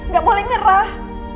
gak boleh ngerah